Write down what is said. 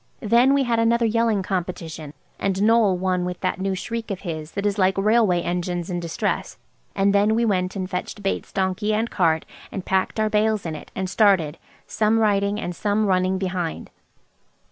Then we had another yelling competition, and Noël won with that new shriek of his that is like railway engines in distress; and then we went and fetched Bates' donkey and cart and packed our bales in it and started, some riding and some running behind.